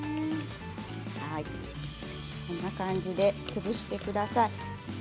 こんな感じで潰してください。